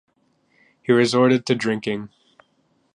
He resorted to drinking.